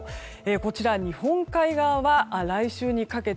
こちら、日本海側は来週にかけて。